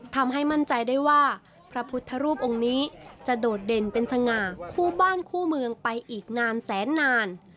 ทำให้มั่นใจได้ว่าพระพุทธรูปองค์นี้จะโดดเด่นเป็นสง่าคู่บ้านคู่เมืองไปอีกนานแสนนาน